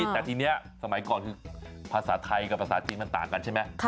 แต่ทีนี้สมัยก่อนคือภาษาไทยกับภาษาจีนมันต่างกันใช่ไหม